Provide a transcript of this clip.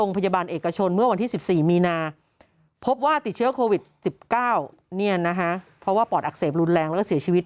เพราะว่าปอดอักเสบรุนแรงแล้วเสียชีวิต